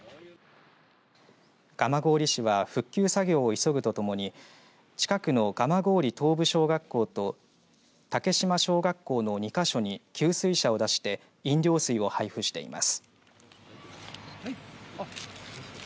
蒲郡市は復旧作業を急ぐとともに近くの蒲郡東部小学校と竹島小学校の２か所に給水車を出して飲料水を配布しています。